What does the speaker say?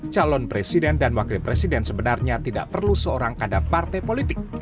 calon presiden dan wakil presiden sebenarnya tidak perlu seorang kader partai politik